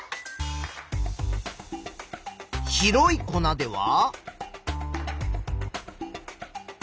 白い粉では？